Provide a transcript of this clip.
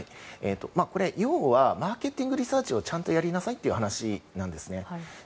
これは、要はマーケティングリサーチをちゃんとやりなさいという話なんです。